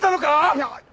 いや。